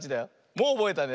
もうおぼえたね。